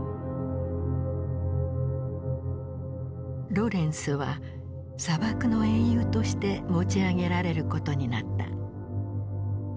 ロレンスは砂漠の英雄として持ち上げられることになった。